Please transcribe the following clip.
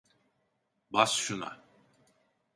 Bas şuna!